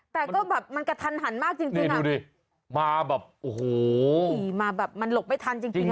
แต่ก็แบบมันกระทันหันมากจริงจริงนี่ดูดิมาแบบโอ้โหมาแบบมันหลบไม่ทันจริงจริง